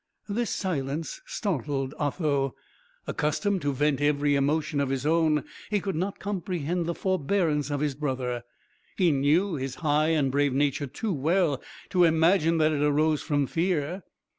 This silence startled Otho. Accustomed to vent every emotion of his own, he could not comprehend the forbearance of his brother; he knew his high and brave nature too well to imagine that it arose from fear.